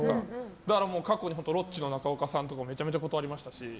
だから過去にロッチの中岡さんとかめちゃめちゃ断りましたし。